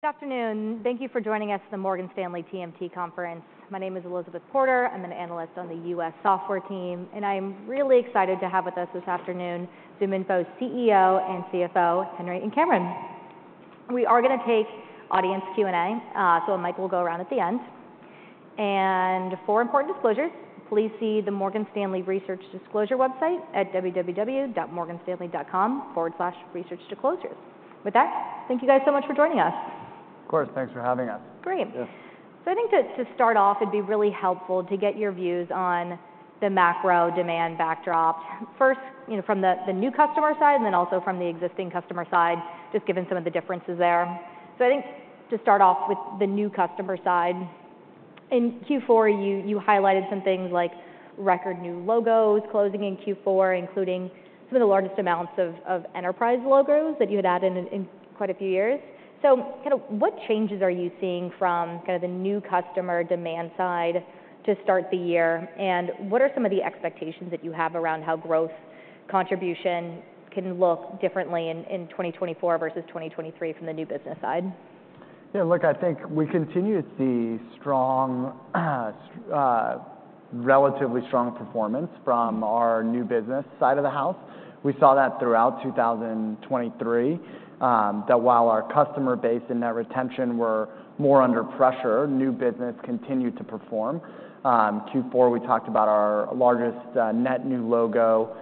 Good afternoon. Thank you for joining us at the Morgan Stanley TMT Conference. My name is Elizabeth Porter. I'm an analyst on the U.S. software team, and I'm really excited to have with us this afternoon ZoomInfo's CEO and CFO, Henry and Cameron. We are going to take audience Q&A, so Mike will go around at the end. Four important disclosures: please see the Morgan Stanley Research Disclosure website at www.morganstanley.com/researchdisclosures. With that, thank you guys so much for joining us. Of course. Thanks for having us. Great. Yes. So I think to start off, it'd be really helpful to get your views on the macro demand backdrop, first from the new customer side and then also from the existing customer side, just given some of the differences there. So I think to start off with the new customer side, in Q4 you highlighted some things like record new logos closing in Q4, including some of the largest amounts of enterprise logos that you had added in quite a few years. So kind of what changes are you seeing from kind of the new customer demand side to start the year, and what are some of the expectations that you have around how growth contribution can look differently in 2024 versus 2023 from the new business side? Yeah. Look, I think we continued to see relatively strong performance from our new business side of the house. We saw that throughout 2023, that while our customer base and net retention were more under pressure, new business continued to perform. Q4, we talked about our largest net new logo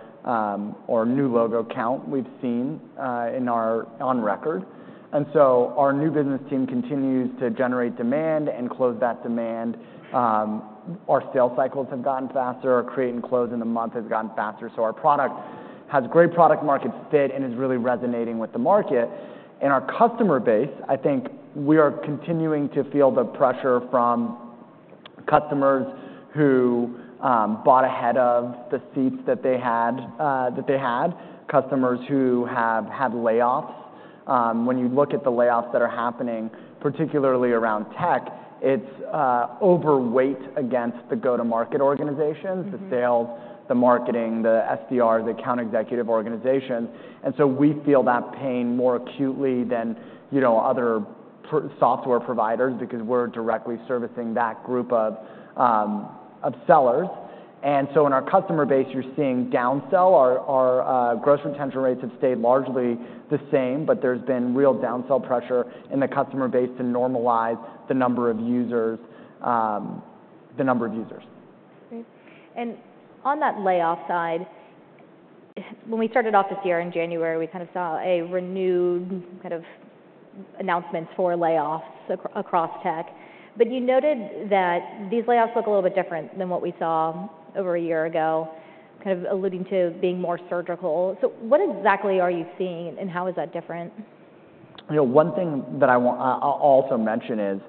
or new logo count we've seen on record. And so our new business team continues to generate demand and close that demand. Our sales cycles have gotten faster. Our create and close in the month has gotten faster. So our product has great product-market fit and is really resonating with the market. In our customer base, I think we are continuing to feel the pressure from customers who bought ahead of the seats that they had, customers who have had layoffs. When you look at the layoffs that are happening, particularly around tech, it's overweight against the go-to-market organizations, the sales, the marketing, the SDR, the account executive organizations. And so we feel that pain more acutely than other software providers because we're directly servicing that group of sellers. And so in our customer base, you're seeing downsell. Our gross retention rates have stayed largely the same, but there's been real downsell pressure in the customer base to normalize the number of users. Great. And on that layoff side, when we started off this year in January, we kind of saw renewed kind of announcements for layoffs across tech. But you noted that these layoffs look a little bit different than what we saw over a year ago, kind of alluding to being more surgical. So what exactly are you seeing, and how is that different? One thing that I'll also mention is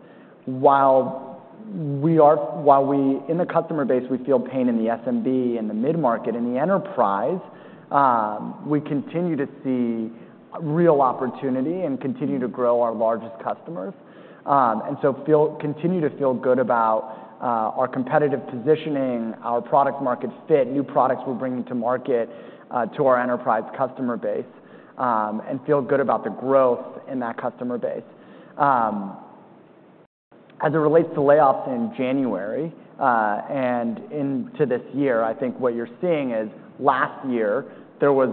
while we in the customer base, we feel pain in the SMB, in the mid-market, in the enterprise, we continue to see real opportunity and continue to grow our largest customers and so continue to feel good about our competitive positioning, our product-market fit, new products we're bringing to market to our enterprise customer base, and feel good about the growth in that customer base. As it relates to layoffs in January and into this year, I think what you're seeing is last year, there was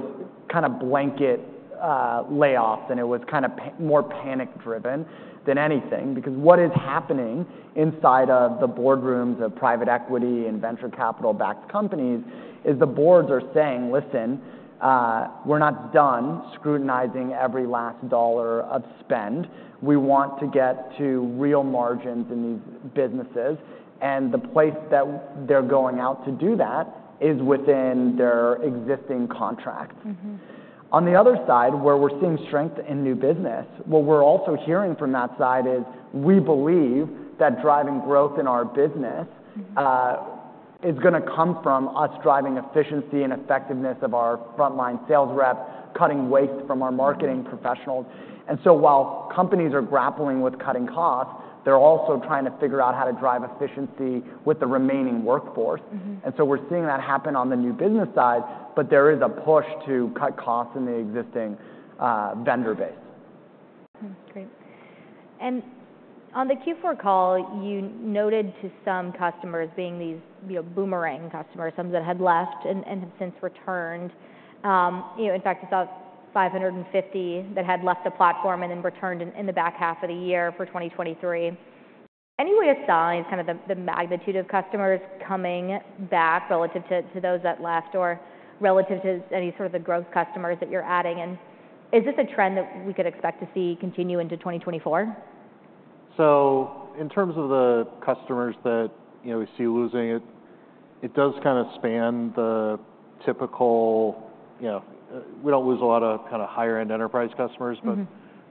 kind of blanket layoffs, and it was kind of more panic-driven than anything because what is happening inside of the boardrooms of private equity and venture capital-backed companies is the boards are saying, "Listen, we're not done scrutinizing every last dollar of spend. We want to get to real margins in these businesses." The place that they're going out to do that is within their existing contracts. On the other side, where we're seeing strength in new business, what we're also hearing from that side is we believe that driving growth in our business is going to come from us driving efficiency and effectiveness of our frontline sales rep, cutting waste from our marketing professionals. So while companies are grappling with cutting costs, they're also trying to figure out how to drive efficiency with the remaining workforce. We're seeing that happen on the new business side, but there is a push to cut costs in the existing vendor base. Great. And on the Q4 call, you noted to some customers being these boomerang customers, some that had left and have since returned. In fact, you saw 550 that had left the platform and then returned in the back half of the year for 2023. Any way of sizing kind of the magnitude of customers coming back relative to those that left or relative to any sort of the growth customers that you're adding? Is this a trend that we could expect to see continue into 2024? So, in terms of the customers that we see losing, it does kind of span the typical. We don't lose a lot of kind of higher-end enterprise customers, but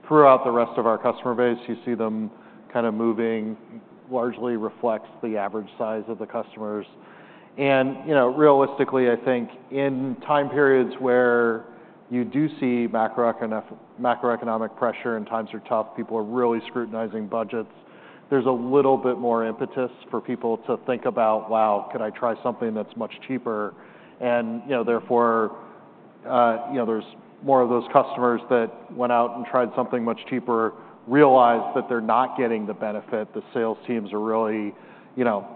throughout the rest of our customer base, you see them kind of moving largely reflects the average size of the customers. And realistically, I think in time periods where you do see macroeconomic pressure and times are tough, people are really scrutinizing budgets, there's a little bit more impetus for people to think about, "Wow, could I try something that's much cheaper?" And therefore, there's more of those customers that went out and tried something much cheaper, realized that they're not getting the benefit. The sales teams are really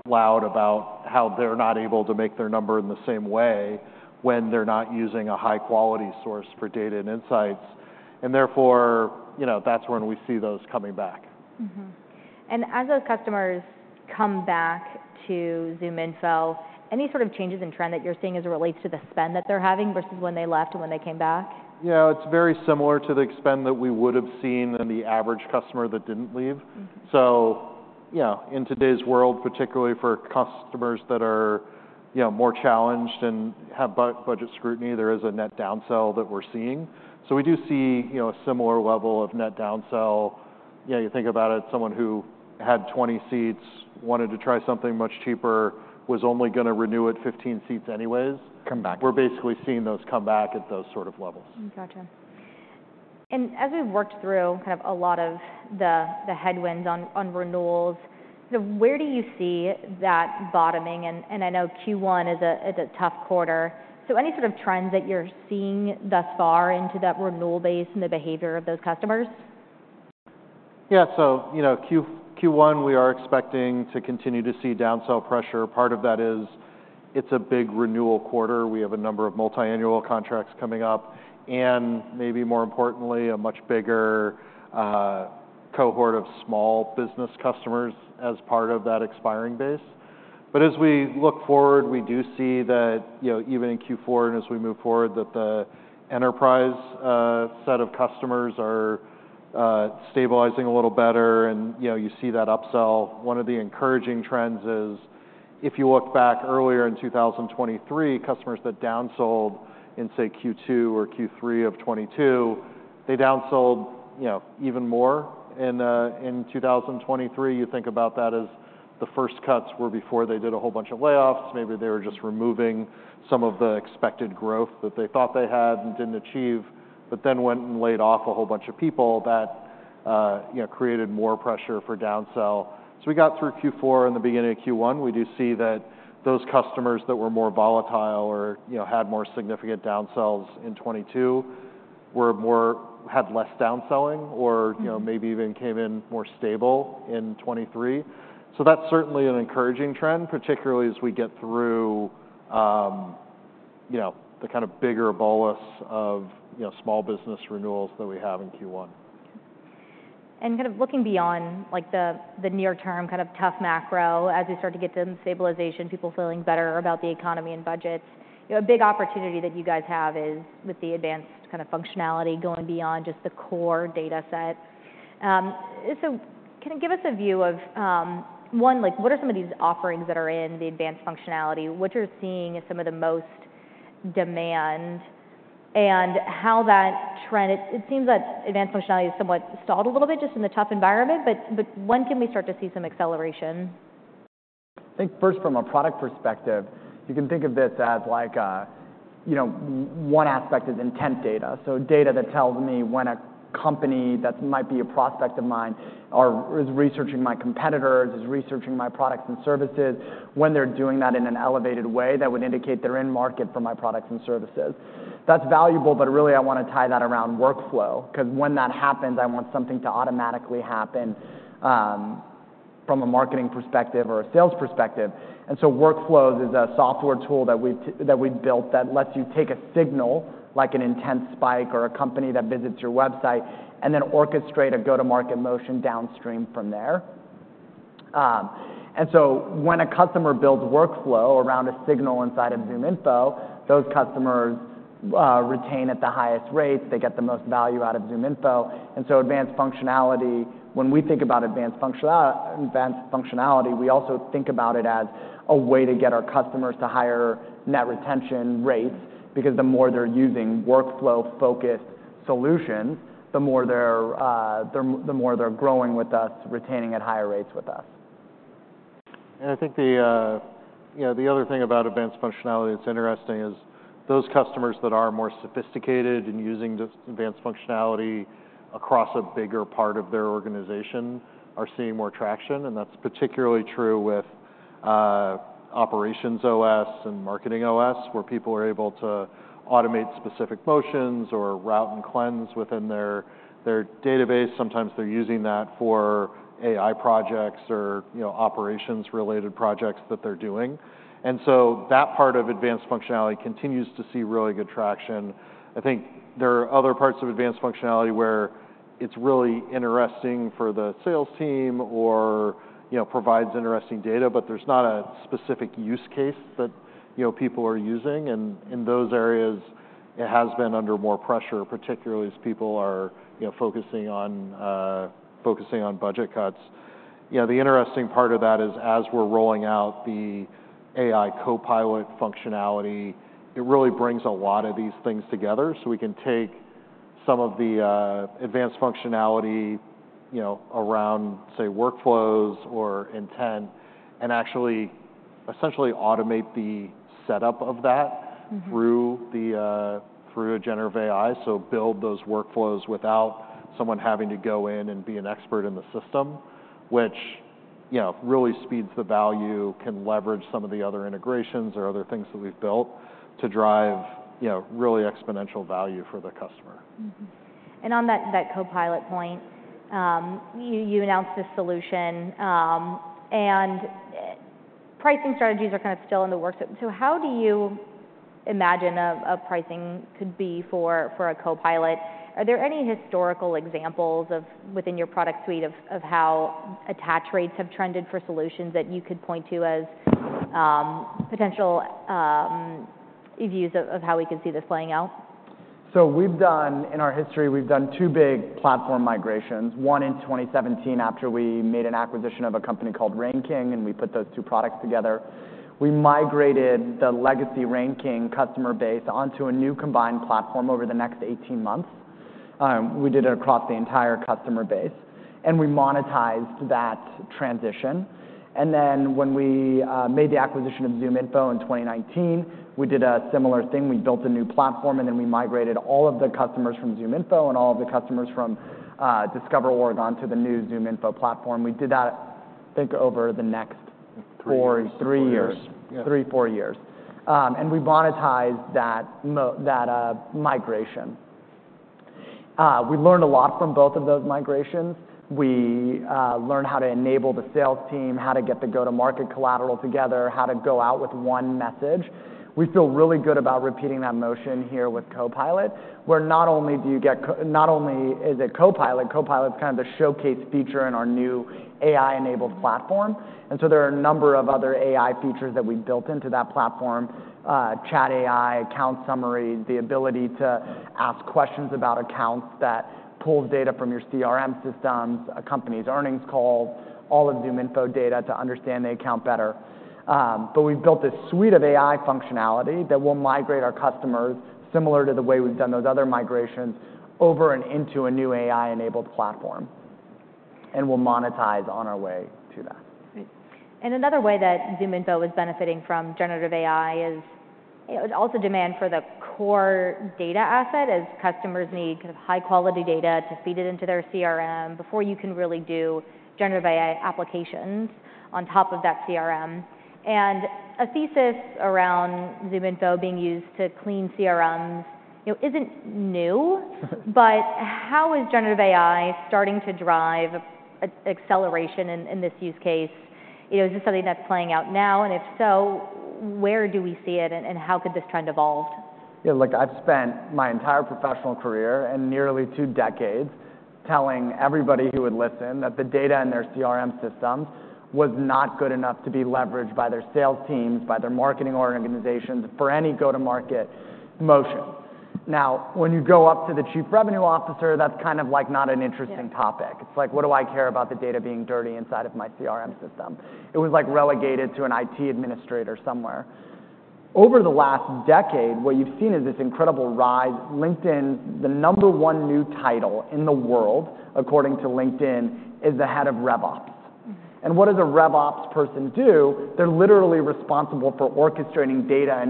loud about how they're not able to make their number in the same way when they're not using a high-quality source for data and insights. Therefore, that's when we see those coming back. As those customers come back to ZoomInfo, any sort of changes in trend that you're seeing as it relates to the spend that they're having versus when they left and when they came back? Yeah. It's very similar to the spend that we would have seen in the average customer that didn't leave. So in today's world, particularly for customers that are more challenged and have budget scrutiny, there is a net downsell that we're seeing. So we do see a similar level of net downsell. You think about it, someone who had 20 seats, wanted to try something much cheaper, was only going to renew at 15 seats anyways. We're basically seeing those come back at those sort of levels. Gotcha. And as we've worked through kind of a lot of the headwinds on renewals, where do you see that bottoming? And I know Q1 is a tough quarter. So any sort of trends that you're seeing thus far into that renewal base and the behavior of those customers? Yeah. So Q1, we are expecting to continue to see downsell pressure. Part of that is it's a big renewal quarter. We have a number of multi-annual contracts coming up and maybe more importantly, a much bigger cohort of small business customers as part of that expiring base. But as we look forward, we do see that even in Q4 and as we move forward, that the enterprise set of customers are stabilizing a little better, and you see that upsell. One of the encouraging trends is if you look back earlier in 2023, customers that downsold in, say, Q2 or Q3 of 2022, they downsold even more. In 2023, you think about that as the first cuts were before they did a whole bunch of layoffs. Maybe they were just removing some of the expected growth that they thought they had and didn't achieve, but then went and laid off a whole bunch of people. That created more pressure for downsell. So we got through Q4. In the beginning of Q1, we do see that those customers that were more volatile or had more significant downsells in 2022 had less downselling or maybe even came in more stable in 2023. So that's certainly an encouraging trend, particularly as we get through the kind of bigger bolus of small business renewals that we have in Q1. And kind of looking beyond the near-term kind of tough macro, as we start to get to the stabilization, people feeling better about the economy and budgets, a big opportunity that you guys have is with the advanced kind of functionality going beyond just the core data set. So can you give us a view of, one, what are some of these offerings that are in the advanced functionality? What you're seeing is some of the most demand and how that trend it seems that advanced functionality is somewhat stalled a little bit just in the tough environment. But when can we start to see some acceleration? I think first from a product perspective, you can think of this as one aspect is intent data, so data that tells me when a company that might be a prospect of mine is researching my competitors, is researching my products and services, when they're doing that in an elevated way that would indicate they're in market for my products and services. That's valuable, but really, I want to tie that around Workflow because when that happens, I want something to automatically happen from a marketing perspective or a sales perspective. So Workflows is a software tool that we've built that lets you take a signal like an intent spike or a company that visits your website and then orchestrate a go-to-market motion downstream from there. So when a customer builds Workflow around a signal inside of ZoomInfo, those customers retain at the highest rates. They get the most value out of ZoomInfo. And so advanced functionality when we think about advanced functionality, we also think about it as a way to get our customers to higher net retention rates because the more they're using workflow-focused solutions, the more they're growing with us, retaining at higher rates with us. I think the other thing about advanced functionality that's interesting is those customers that are more sophisticated in using advanced functionality across a bigger part of their organization are seeing more traction. That's particularly true with OperationsOS and MarketingOS where people are able to automate specific motions or route and cleanse within their database. Sometimes they're using that for AI projects or operations-related projects that they're doing. So that part of advanced functionality continues to see really good traction. I think there are other parts of advanced functionality where it's really interesting for the sales team or provides interesting data, but there's not a specific use case that people are using. In those areas, it has been under more pressure, particularly as people are focusing on budget cuts. The interesting part of that is as we're rolling out the AI Copilot functionality, it really brings a lot of these things together. So we can take some of the advanced functionality around, say, workflows or intent and actually essentially automate the setup of that through a generative AI, so build those workflows without someone having to go in and be an expert in the system, which really speeds the value, can leverage some of the other integrations or other things that we've built to drive really exponential value for the customer. On that Copilot point, you announced this solution, and pricing strategies are kind of still in the works. So how do you imagine a pricing could be for a Copilot? Are there any historical examples within your product suite of how attach rates have trended for solutions that you could point to as potential views of how we could see this playing out? So in our history, we've done two big platform migrations, one in 2017 after we made an acquisition of a company called RainKing, and we put those two products together. We migrated the legacy RainKing customer base onto a new combined platform over the next 18 months. We did it across the entire customer base, and we monetized that transition. And then when we made the acquisition of ZoomInfo in 2019, we did a similar thing. We built a new platform, and then we migrated all of the customers from ZoomInfo and all of the customers from DiscoverOrg to the new ZoomInfo platform. We did that, I think, over the next 3 years, 3, 4 years. And we monetized that migration. We learned a lot from both of those migrations. We learned how to enable the sales team, how to get the go-to-market collateral together, how to go out with one message. We feel really good about repeating that motion here with Copilot, where not only do you get not only is it Copilot, Copilot's kind of the showcase feature in our new AI-enabled platform. And so there are a number of other AI features that we built into that platform: chat AI, account summaries, the ability to ask questions about accounts that pulls data from your CRM systems, a company's earnings calls, all of ZoomInfo data to understand the account better. But we've built this suite of AI functionality that will migrate our customers similar to the way we've done those other migrations over and into a new AI-enabled platform, and we'll monetize on our way to that. Great. Another way that ZoomInfo is benefiting from generative AI is also demand for the core data asset, as customers need kind of high-quality data to feed it into their CRM before you can really do generative AI applications on top of that CRM. A thesis around ZoomInfo being used to clean CRMs isn't new, but how is generative AI starting to drive acceleration in this use case? Is this something that's playing out now? If so, where do we see it, and how could this trend evolve? Yeah. I've spent my entire professional career and nearly two decades telling everybody who would listen that the data in their CRM systems was not good enough to be leveraged by their sales teams, by their marketing organizations for any go-to-market motion. Now, when you go up to the chief revenue officer, that's kind of like not an interesting topic. It's like, "What do I care about the data being dirty inside of my CRM system?" It was like relegated to an IT administrator somewhere. Over the last decade, what you've seen is this incredible rise. LinkedIn's the number one new title in the world, according to LinkedIn, is the head of RevOps. What does a RevOps person do? They're literally responsible for orchestrating data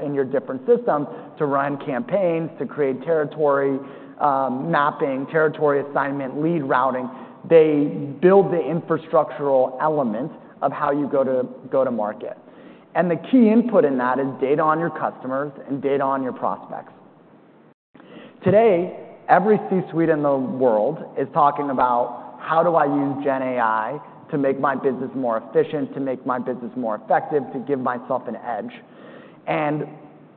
in your different systems to run campaigns, to create territory mapping, territory assignment, lead routing. They build the infrastructural elements of how you go to market. The key input in that is data on your customers and data on your prospects. Today, every C-suite in the world is talking about, "How do I use Gen AI to make my business more efficient, to make my business more effective, to give myself an edge?"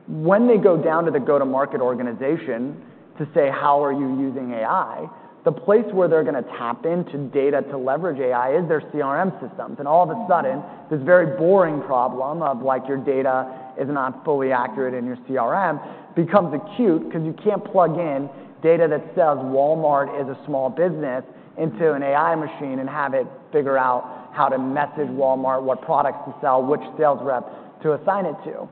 When they go down to the go-to-market organization to say, "How are you using AI?" the place where they're going to tap into data to leverage AI is their CRM systems. All of a sudden, this very boring problem of your data is not fully accurate in your CRM becomes acute because you can't plug in data that says Walmart is a small business into an AI machine and have it figure out how to message Walmart what products to sell, which sales rep to assign it to.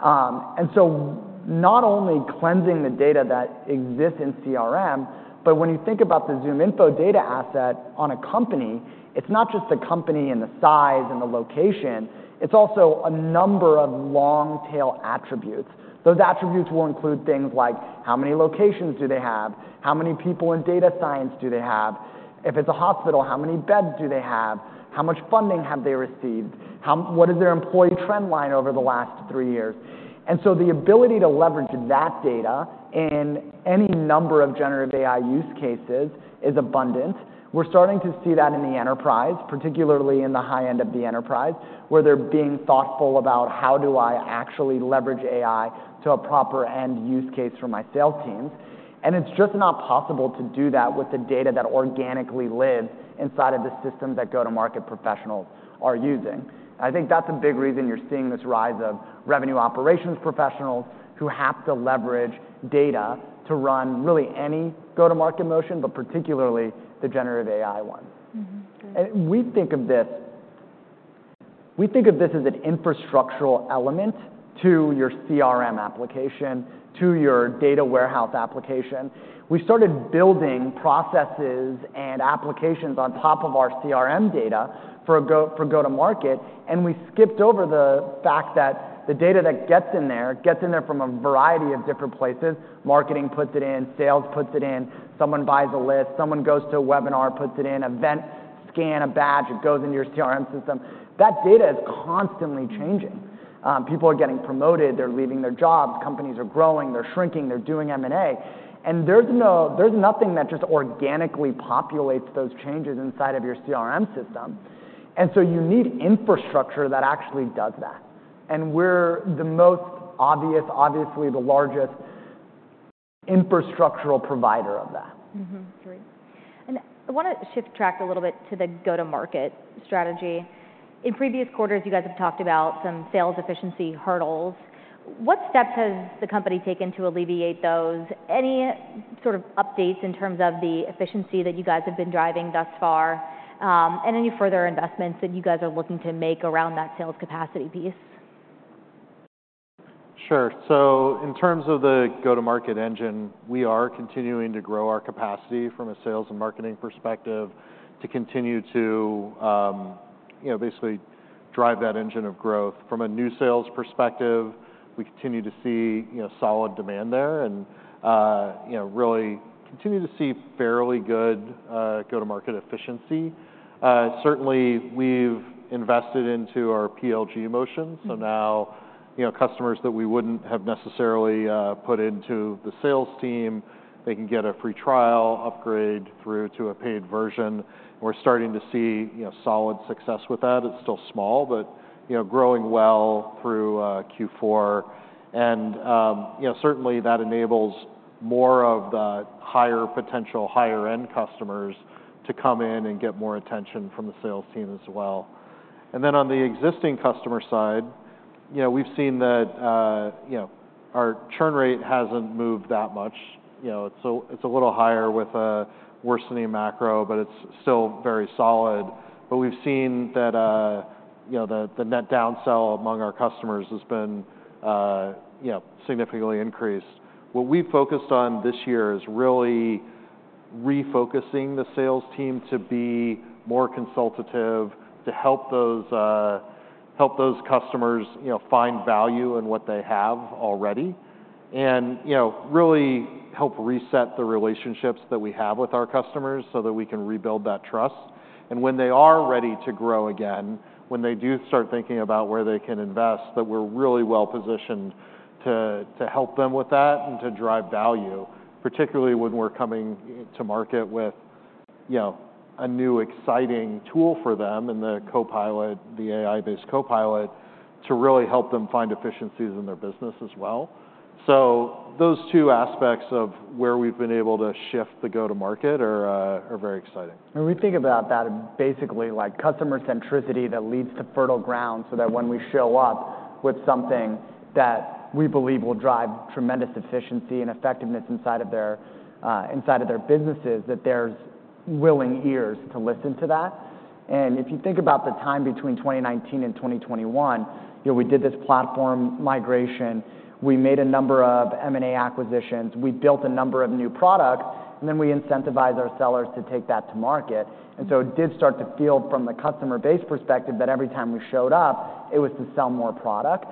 And so not only cleansing the data that exists in CRM, but when you think about the ZoomInfo data asset on a company, it's not just the company and the size and the location. It's also a number of long-tail attributes. Those attributes will include things like, "How many locations do they have? How many people in data science do they have? If it's a hospital, how many beds do they have? How much funding have they received? What is their employee trend line over the last three years?" And so the ability to leverage that data in any number of generative AI use cases is abundant. We're starting to see that in the enterprise, particularly in the high end of the enterprise, where they're being thoughtful about, "How do I actually leverage AI to a proper end use case for my sales teams?" And it's just not possible to do that with the data that organically lives inside of the systems that go-to-market professionals are using. And I think that's a big reason you're seeing this rise of revenue operations professionals who have to leverage data to run really any go-to-market motion, but particularly the generative AI ones. And we think of this as an infrastructural element to your CRM application, to your data warehouse application. We started building processes and applications on top of our CRM data for go-to-market, and we skipped over the fact that the data that gets in there gets in there from a variety of different places. Marketing puts it in, sales puts it in, someone buys a list, someone goes to a webinar, puts it in, events, scan a badge, it goes into your CRM system. That data is constantly changing. People are getting promoted. They're leaving their jobs. Companies are growing. They're shrinking. They're doing M&A. And there's nothing that just organically populates those changes inside of your CRM system. And so you need infrastructure that actually does that. And we're the most obvious, obviously the largest infrastructural provider of that. Great. I want to shift track a little bit to the go-to-market strategy. In previous quarters, you guys have talked about some sales efficiency hurdles. What steps has the company taken to alleviate those? Any sort of updates in terms of the efficiency that you guys have been driving thus far and any further investments that you guys are looking to make around that sales capacity piece? Sure. So in terms of the go-to-market engine, we are continuing to grow our capacity from a sales and marketing perspective to continue to basically drive that engine of growth. From a new sales perspective, we continue to see solid demand there and really continue to see fairly good go-to-market efficiency. Certainly, we've invested into our PLG motion. So now customers that we wouldn't have necessarily put into the sales team, they can get a free trial upgrade through to a paid version. We're starting to see solid success with that. It's still small, but growing well through Q4. And certainly, that enables more of the higher potential, higher-end customers to come in and get more attention from the sales team as well. And then on the existing customer side, we've seen that our churn rate hasn't moved that much. It's a little higher with a worsening macro, but it's still very solid. We've seen that the net downsell among our customers has been significantly increased. What we've focused on this year is really refocusing the sales team to be more consultative, to help those customers find value in what they have already, and really help reset the relationships that we have with our customers so that we can rebuild that trust. When they are ready to grow again, when they do start thinking about where they can invest, that we're really well-positioned to help them with that and to drive value, particularly when we're coming to market with a new exciting tool for them in the Copilot, the AI-based Copilot, to really help them find efficiencies in their business as well. Those two aspects of where we've been able to shift the go-to-market are very exciting. We think about that as basically customer centricity that leads to fertile ground so that when we show up with something that we believe will drive tremendous efficiency and effectiveness inside of their businesses, that there's willing ears to listen to that. And if you think about the time between 2019 and 2021, we did this platform migration. We made a number of M&A acquisitions. We built a number of new products, and then we incentivized our sellers to take that to market. And so it did start to feel from the customer-based perspective that every time we showed up, it was to sell more product.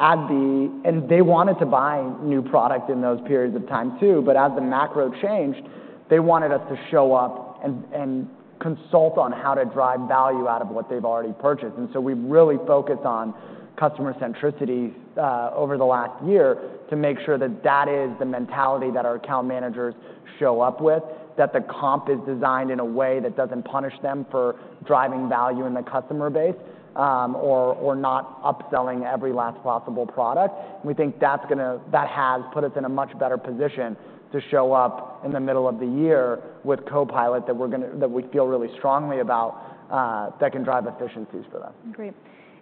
And they wanted to buy new product in those periods of time too. But as the macro changed, they wanted us to show up and consult on how to drive value out of what they've already purchased. And so we've really focused on customer centricity over the last year to make sure that that is the mentality that our account managers show up with, that the comp is designed in a way that doesn't punish them for driving value in the customer base or not upselling every last possible product. We think that has put us in a much better position to show up in the middle of the year with Copilot that we feel really strongly about that can drive efficiencies for them. Great.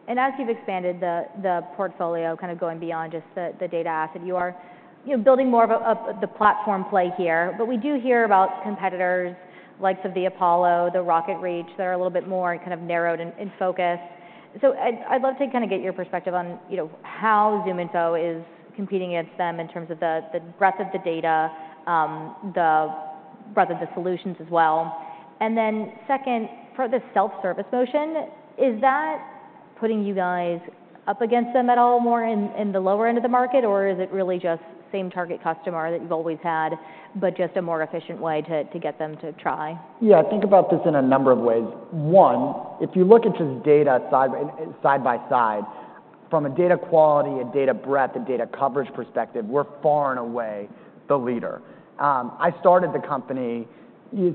And as you've expanded the portfolio kind of going beyond just the data asset, you are building more of the platform play here. But we do hear about competitors like the Apollo, the RocketReach that are a little bit more kind of narrowed in focus. So I'd love to kind of get your perspective on how ZoomInfo is competing against them in terms of the breadth of the data, the breadth of the solutions as well. And then second, for this self-service motion, is that putting you guys up against them at all more in the lower end of the market, or is it really just same target customer that you've always had but just a more efficient way to get them to try? Yeah. I think about this in a number of ways. One, if you look at just data side by side, from a data quality, a data breadth, a data coverage perspective, we're far and away the leader. I started the company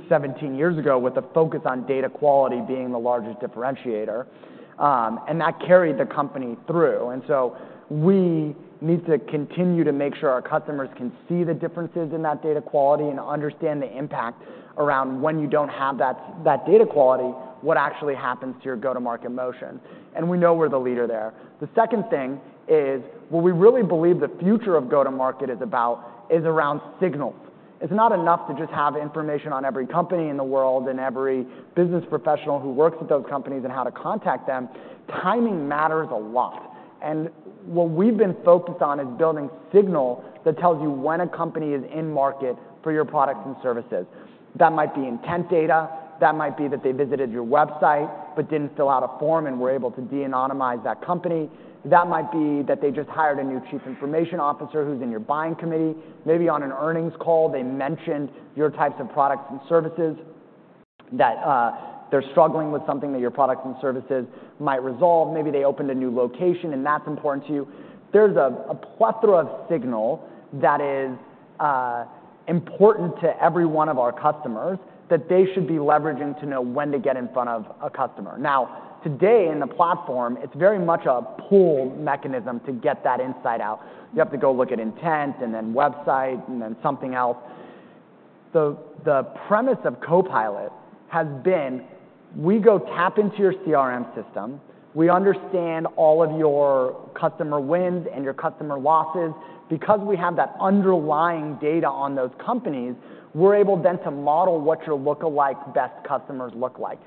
17 years ago with a focus on data quality being the largest differentiator, and that carried the company through. And so we need to continue to make sure our customers can see the differences in that data quality and understand the impact around when you don't have that data quality, what actually happens to your go-to-market motion. And we know we're the leader there. The second thing is what we really believe the future of go-to-market is around signals. It's not enough to just have information on every company in the world and every business professional who works at those companies and how to contact them. Timing matters a lot. What we've been focused on is building signal that tells you when a company is in market for your products and services. That might be intent data. That might be that they visited your website but didn't fill out a form and were able to de-anonymize that company. That might be that they just hired a new chief information officer who's in your buying committee. Maybe on an earnings call, they mentioned your types of products and services, that they're struggling with something that your products and services might resolve. Maybe they opened a new location, and that's important to you. There's a plethora of signal that is important to every one of our customers that they should be leveraging to know when to get in front of a customer. Now, today in the platform, it's very much a pull mechanism to get that insight out. You have to go look at intent and then website and then something else. The premise of Copilot has been, we go tap into your CRM system. We understand all of your customer wins and your customer losses. Because we have that underlying data on those companies, we're able then to model what your lookalike best customers look like.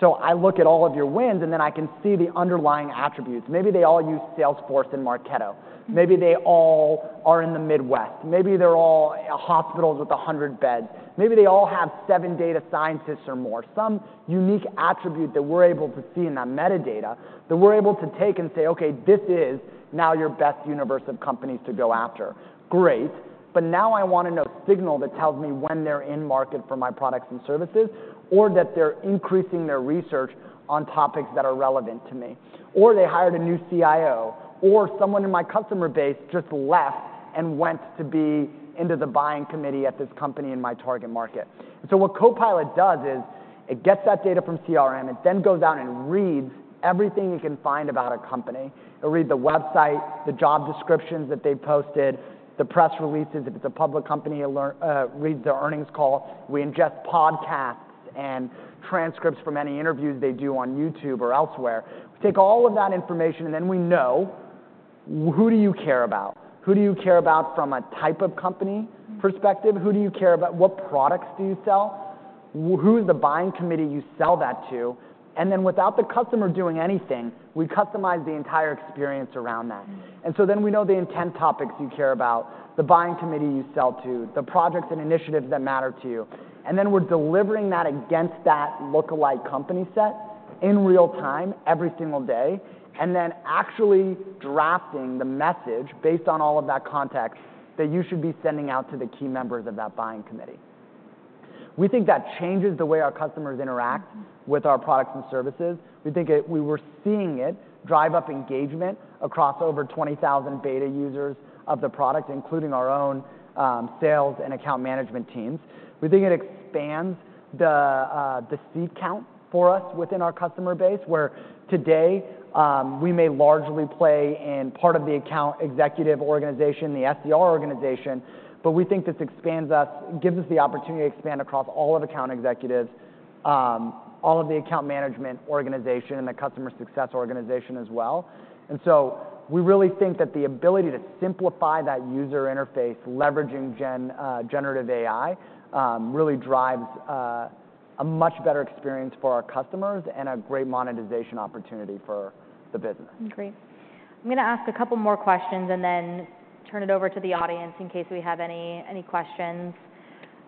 So I look at all of your wins, and then I can see the underlying attributes. Maybe they all use Salesforce and Marketo. Maybe they all are in the Midwest. Maybe they're all hospitals with 100 beds. Maybe they all have seven data scientists or more. Some unique attribute that we're able to see in that metadata that we're able to take and say, "Okay, this is now your best universe of companies to go after." Great. But now I want to know signal that tells me when they're in market for my products and services or that they're increasing their research on topics that are relevant to me. Or they hired a new CIO or someone in my customer base just left and went to be into the buying committee at this company in my target market. And so what Copilot does is it gets that data from CRM. It then goes out and reads everything it can find about a company. It'll read the website, the job descriptions that they've posted, the press releases if it's a public company. It reads their earnings call. We ingest podcasts and transcripts from any interviews they do on YouTube or elsewhere. We take all of that information, and then we know who do you care about? Who do you care about from a type of company perspective? Who do you care about? What products do you sell? Who is the buying committee you sell that to? Then without the customer doing anything, we customize the entire experience around that. So then we know the intent topics you care about, the buying committee you sell to, the projects and initiatives that matter to you. Then we're delivering that against that lookalike company set in real time every single day and then actually drafting the message based on all of that context that you should be sending out to the key members of that buying committee. We think that changes the way our customers interact with our products and services. We think we were seeing it drive up engagement across over 20,000 beta users of the product, including our own sales and account management teams. We think it expands the seat count for us within our customer base where today we may largely play in part of the account executive organization, the SDR organization, but we think this expands us, gives us the opportunity to expand across all of account executives, all of the account management organization, and the customer success organization as well. So we really think that the ability to simplify that user interface leveraging generative AI really drives a much better experience for our customers and a great monetization opportunity for the business. Great. I'm going to ask a couple more questions and then turn it over to the audience in case we have any questions.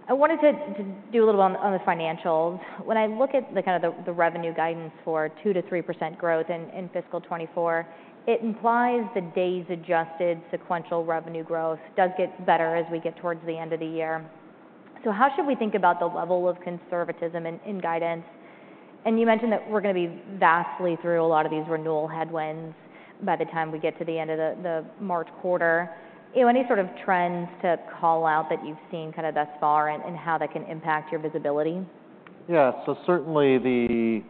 I wanted to do a little bit on the financials. When I look at kind of the revenue guidance for 2%-3% growth in fiscal 2024, it implies the days-adjusted sequential revenue growth does get better as we get towards the end of the year. So how should we think about the level of conservatism in guidance? And you mentioned that we're going to be past a lot of these renewal headwinds by the time we get to the end of the March quarter. Any sort of trends to call out that you've seen kind of thus far and how that can impact your visibility? Yeah. So certainly, the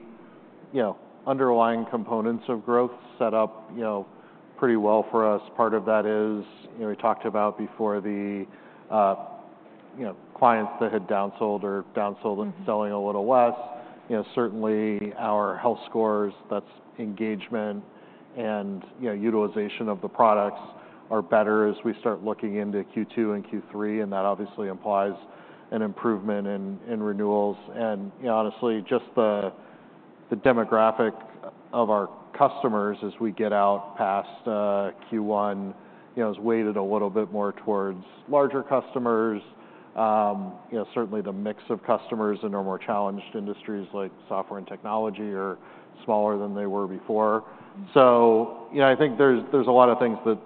underlying components of growth set up pretty well for us. Part of that is we talked about before the clients that had downsold or downsold and selling a little less. Certainly, our health scores, that's engagement and utilization of the products, are better as we start looking into Q2 and Q3. And that obviously implies an improvement in renewals. And honestly, just the demographic of our customers as we get out past Q1 is weighted a little bit more towards larger customers. Certainly, the mix of customers in our more challenged industries like software and technology are smaller than they were before. So I think there's a lot of things that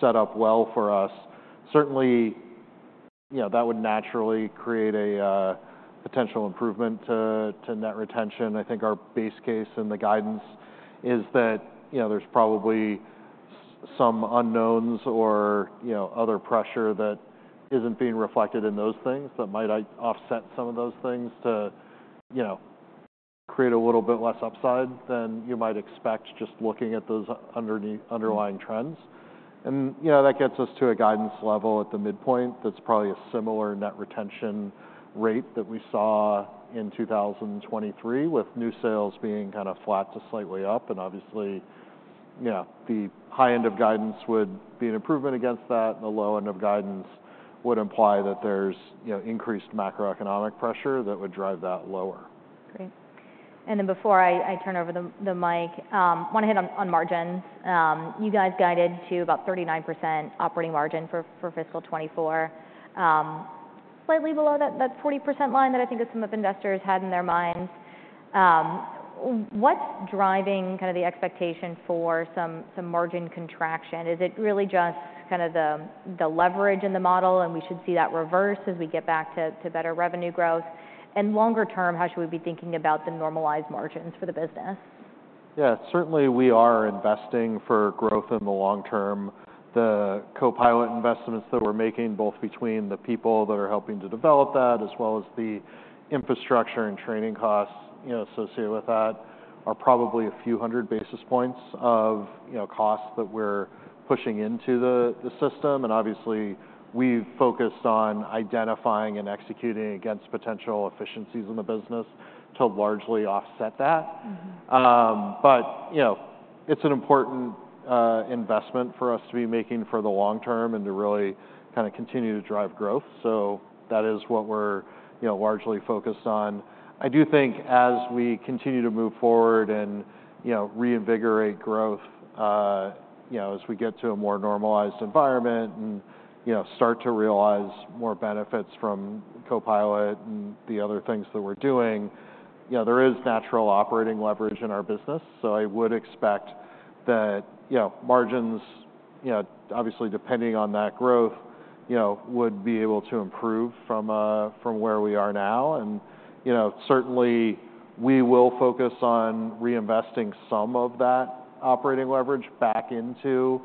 set up well for us. Certainly, that would naturally create a potential improvement to net retention. I think our base case in the guidance is that there's probably some unknowns or other pressure that isn't being reflected in those things that might offset some of those things to create a little bit less upside than you might expect just looking at those underlying trends. That gets us to a guidance level at the midpoint that's probably a similar net retention rate that we saw in 2023 with new sales being kind of flat to slightly up. Obviously, the high end of guidance would be an improvement against that, and the low end of guidance would imply that there's increased macroeconomic pressure that would drive that lower. Great. Then before I turn over the mic, I want to hit on margins. You guys guided to about 39% operating margin for fiscal 2024, slightly below that 40% line that I think some of investors had in their minds. What's driving kind of the expectation for some margin contraction? Is it really just kind of the leverage in the model, and we should see that reverse as we get back to better revenue growth? Longer term, how should we be thinking about the normalized margins for the business? Yeah. Certainly, we are investing for growth in the long term. The Copilot investments that we're making, both between the people that are helping to develop that as well as the infrastructure and training costs associated with that, are probably a few hundred basis points of costs that we're pushing into the system. Obviously, we've focused on identifying and executing against potential efficiencies in the business to largely offset that. It's an important investment for us to be making for the long term and to really kind of continue to drive growth. That is what we're largely focused on. I do think as we continue to move forward and reinvigorate growth as we get to a more normalized environment and start to realize more benefits from Copilot and the other things that we're doing, there is natural operating leverage in our business. I would expect that margins, obviously depending on that growth, would be able to improve from where we are now. Certainly, we will focus on reinvesting some of that operating leverage back into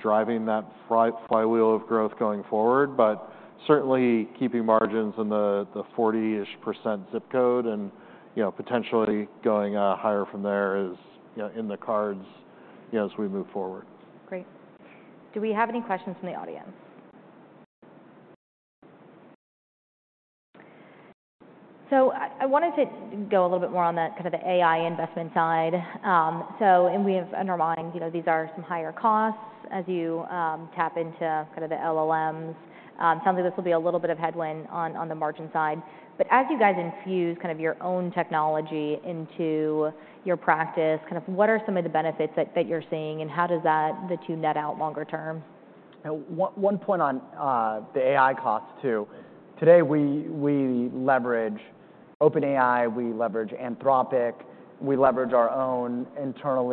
driving that flywheel of growth going forward. Certainly, keeping margins in the 40-ish% zip code and potentially going higher from there is in the cards as we move forward. Great. Do we have any questions from the audience? So I wanted to go a little bit more on that kind of the AI investment side. And we have in our minds, these are some higher costs as you tap into kind of the LLMs. Sounds like this will be a little bit of headwind on the margin side. But as you guys infuse kind of your own technology into your practice, kind of what are some of the benefits that you're seeing, and how does that do net out longer term? One point on the AI costs too. Today, we leverage OpenAI, we leverage Anthropic, we leverage our own internal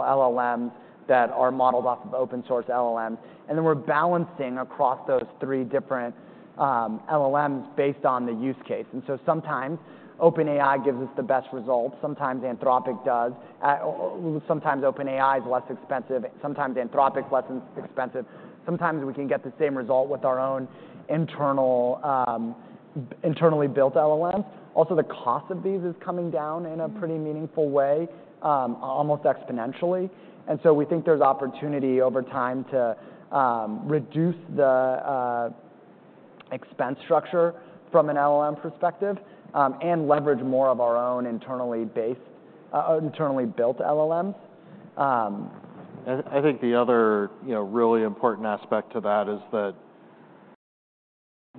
LLMs that are modeled off of open-source LLMs. We're balancing across those three different LLMs based on the use case. Sometimes OpenAI gives us the best results. Sometimes Anthropic does. Sometimes OpenAI is less expensive. Sometimes Anthropic is less expensive. Sometimes we can get the same result with our own internally built LLMs. Also, the cost of these is coming down in a pretty meaningful way, almost exponentially. We think there's opportunity over time to reduce the expense structure from an LLM perspective and leverage more of our own internally built LLMs. I think the other really important aspect to that is that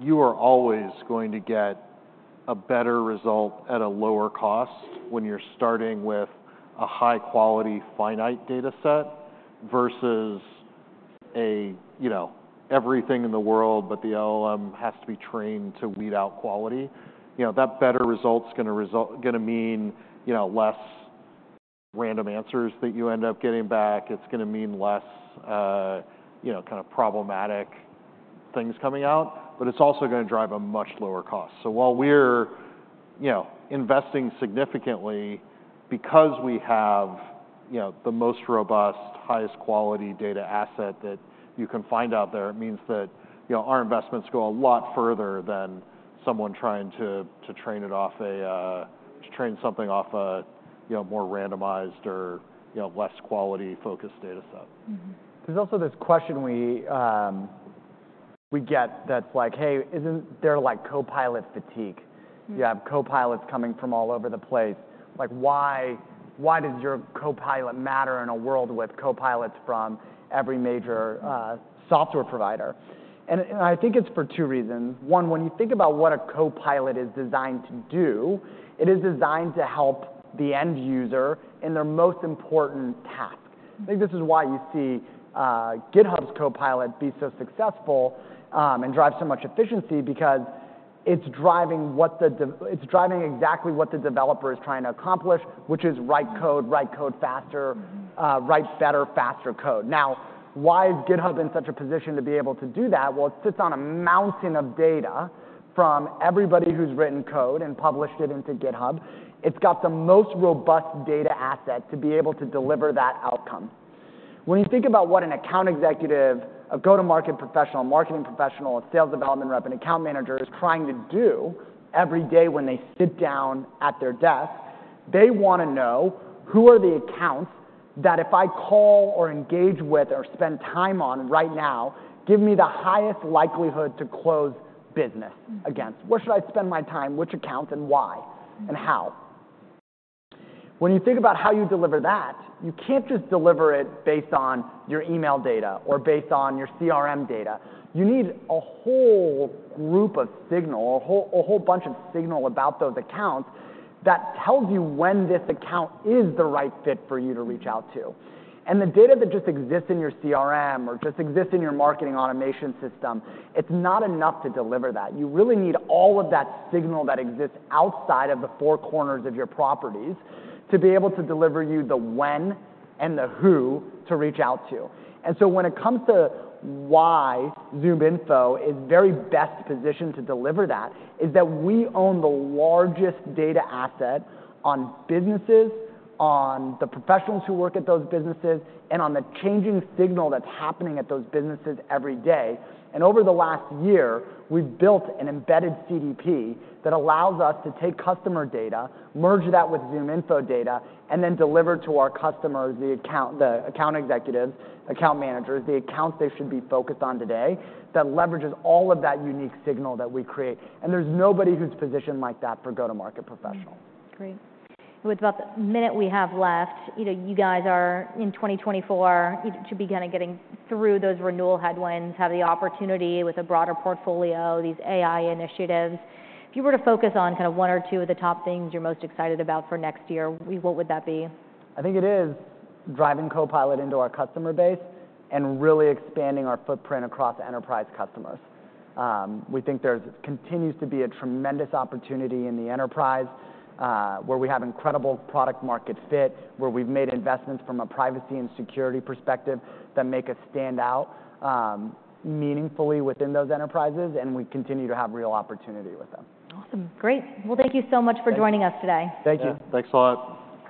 you are always going to get a better result at a lower cost when you're starting with a high-quality finite data set versus everything in the world, but the LLM has to be trained to weed out quality. That better result is going to mean less random answers that you end up getting back. It's going to mean less kind of problematic things coming out. But it's also going to drive a much lower cost. So while we're investing significantly because we have the most robust, highest quality data asset that you can find out there, it means that our investments go a lot further than someone trying to train it off a more randomized or less quality-focused data set. There's also this question we get that's like, "Hey, isn't there Copilot fatigue? You have Copilots coming from all over the place. Why does your Copilot matter in a world with Copilots from every major software provider?" And I think it's for two reasons. One, when you think about what a Copilot is designed to do, it is designed to help the end user in their most important task. I think this is why you see GitHub's Copilot be so successful and drive so much efficiency because it's driving exactly what the developer is trying to accomplish, which is write code, write code faster, write better, faster code. Now, why is GitHub in such a position to be able to do that? Well, it sits on a mountain of data from everybody who's written code and published it into GitHub. It's got the most robust data asset to be able to deliver that outcome. When you think about what an account executive, a go-to-market professional, a marketing professional, a sales development rep, an account manager is trying to do every day when they sit down at their desk, they want to know, "Who are the accounts that if I call or engage with or spend time on right now, give me the highest likelihood to close business against? Where should I spend my time? Which accounts and why and how?" When you think about how you deliver that, you can't just deliver it based on your email data or based on your CRM data. You need a whole group of signal or a whole bunch of signal about those accounts that tells you when this account is the right fit for you to reach out to. The data that just exists in your CRM or just exists in your marketing automation system, it's not enough to deliver that. You really need all of that signal that exists outside of the four corners of your properties to be able to deliver you the when and the who to reach out to. So when it comes to why ZoomInfo is very best positioned to deliver that, is that we own the largest data asset on businesses, on the professionals who work at those businesses, and on the changing signal that's happening at those businesses every day. Over the last year, we've built an embedded CDP that allows us to take customer data, merge that with ZoomInfo data, and then deliver to our customers, the account executives, account managers, the accounts they should be focused on today that leverages all of that unique signal that we create. There's nobody who's positioned like that for go-to-market professionals. Great. With about the minute we have left, you guys are in 2024, should be kind of getting through those renewal headwinds, have the opportunity with a broader portfolio, these AI initiatives. If you were to focus on kind of one or two of the top things you're most excited about for next year, what would that be? I think it is driving Copilot into our customer base and really expanding our footprint across enterprise customers. We think there continues to be a tremendous opportunity in the enterprise where we have incredible product-market fit, where we've made investments from a privacy and security perspective that make us stand out meaningfully within those enterprises. We continue to have real opportunity with them. Awesome. Great. Well, thank you so much for joining us today. Thank you. Thanks a lot.